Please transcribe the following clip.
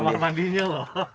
ada kamar mandinya loh